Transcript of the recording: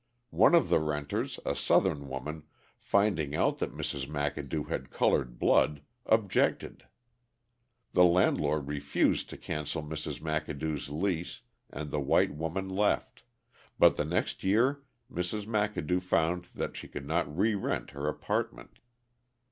One of the renters, a Southern woman, finding out that Mrs. McAdoo had coloured blood, objected. The landlord refused to cancel Mrs. McAdoo's lease and the white woman left, but the next year Mrs. McAdoo found that she could not re rent her apartment.